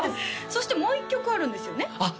そしてもう一曲あるんですよねあっ